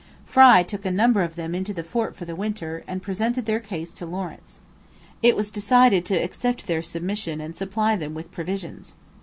Frye took a number of them into the fort for the winter, and presented their case to Lawrence. It was decided to accept their submission and supply them with provisions.